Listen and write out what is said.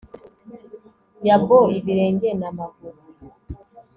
yabo, ibirenge na maguru